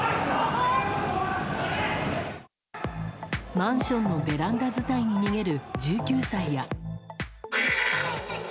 マンションのベランダ伝いに逃げる１９歳や。